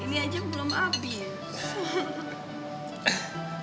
ini aja belum abis